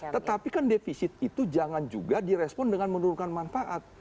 tetapi kan defisit itu jangan juga direspon dengan menurunkan manfaat